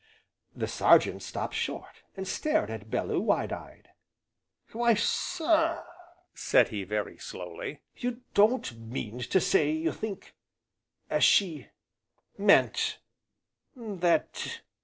'" The Sergeant stopped short, and stared at Bellew wide eyed. "Why sir," said he very slowly, "you don't mean to say you think as she meant that